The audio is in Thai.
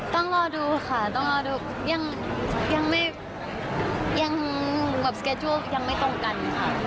ต้องรอดูค่ะต้องรอดูยังไม่ตรงกันค่ะ